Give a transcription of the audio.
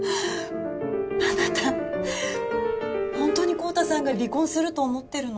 あなたホントに昂太さんが離婚すると思ってるの？